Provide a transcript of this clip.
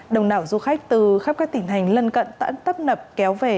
đồng đảo du khách từ khắp các tỉnh hành lân cận tận tấp nập kéo về